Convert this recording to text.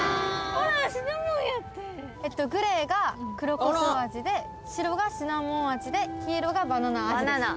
グレーが黒コショウ味で白がシナモン味で黄色がバナナ味です。